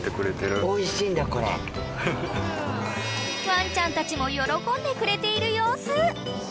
［ワンちゃんたちも喜んでくれている様子］